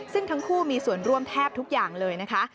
ซึ่งทั้งคู่มีส่วนร่วมแทบทุกอย่างเลยนะคะ